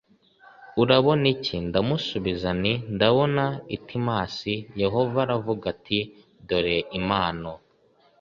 urabona iki Ndamusubiza nti ndabona itimasi Yehova aravuga ati dore impano